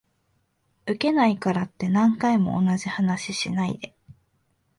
ウケないからって何回も同じ話しないで